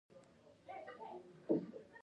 د بل زوی خپلول ډېر لږ پېښېږي